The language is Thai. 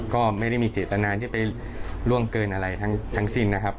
ก็ไม่ได้มีเจตนาที่ไปล่วงเกินอะไรทั้งสิ้นนะครับ